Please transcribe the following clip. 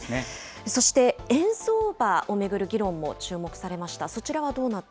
そして、円相場を巡る議論も注目されました。